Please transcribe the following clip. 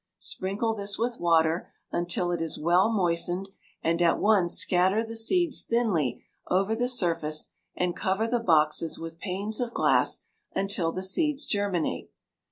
Sprinkle this with water until it is well moistened, and at once scatter the seeds thinly over the surface and cover the boxes with panes of glass until the seeds germinate.